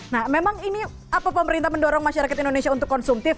nah memang ini apa pemerintah mendorong masyarakat indonesia untuk konsumtif